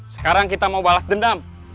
sekarang kita mau balas dendam